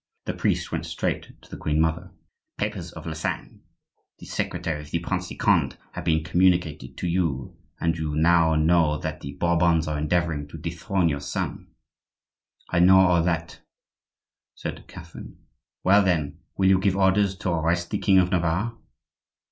The priest went straight to the queen mother. "The papers of Lasagne, the secretary of the Prince de Conde, have been communicated to you, and you now know that the Bourbons are endeavoring to dethrone your son." "I know all that," said Catherine. "Well, then, will you give orders to arrest the king of Navarre?"